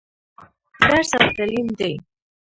درس او تعليم دى.